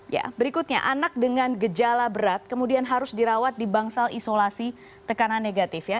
ya berikutnya anak dengan gejala berat kemudian harus dirawat di bangsal isolasi tekanan negatif ya